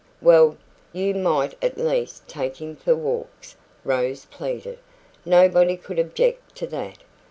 "Well, you might at least take him for walks," Rose pleaded. "Nobody could object to that."